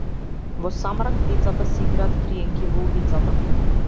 Во самрак децата си играат криенки во улицата.